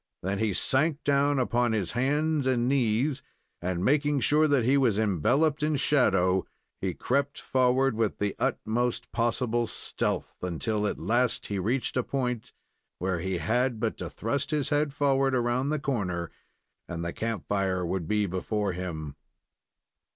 Then he sank down upon his hands and knees, and, making sure that he was enveloped in shadow, he crept forward, with the utmost possible stealth, until at last he reached a point where he had but to thrust his head forward around the corner, and the camp fire would be before him.